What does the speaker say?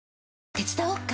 手伝おっか？